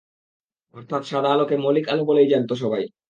অর্থাৎ সাদা আলোকে মৌলিক আলো বলেই জানত সবাই।